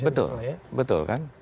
betul betul kan